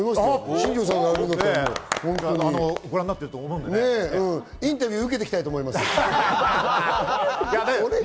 新庄さんがいる時にインタビューを受けてきたいと思います。